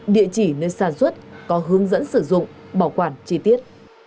địa chỉ nơi sản xuất có hướng dẫn sử dụng bảo quản chi tiết